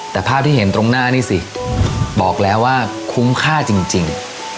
แต่ภาพที่เห็นตรงหน้านี่สิบอกแล้วว่าคุ้มค่าจริง